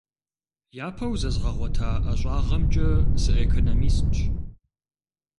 Япэу зэзгъэгъуэта ӀэщӀагъэмкӀэ сыэкономистщ.